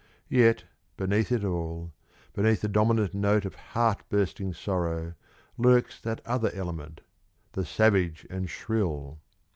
Yet beneath it all, beneath the dominant note of heart bursting sorrow, lurks that other element "the savage and shrill."